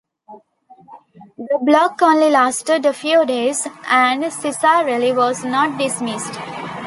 The block only lasted a few days, and Cicarelli was not dismissed.